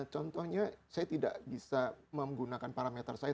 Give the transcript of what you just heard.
contohnya saya tidak bisa menggunakan parameter saya